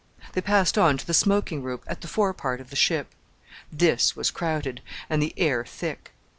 They passed on to the smoking room, at the fore part of the ship. This was crowded, and the air thick.